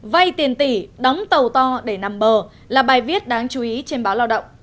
vay tiền tỷ đóng tàu to để nằm bờ là bài viết đáng chú ý trên báo lao động